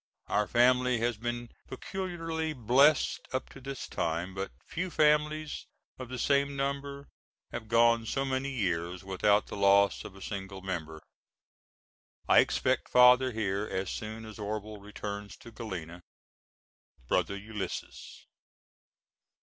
Our family has been peculiarly blessed up to this time. But few families of the same number have gone so many years without the loss of a single member. I expect Father here as soon as Orvil returns to Galena. BROTHER ULYS.